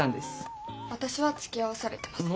私はつきあわされてます。